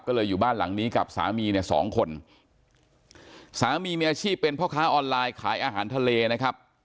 ก็เลยอยู่บ้านหลังนี้กับสามีเนี่ยสองคนสามีมีอาชีพเป็นพ่อค้าออนไลน์ขายอาหารทะเลนะครับ